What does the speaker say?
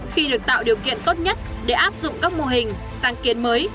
khi được tạo điều kiện tốt nhất để áp dụng các mô hình sáng kiến mới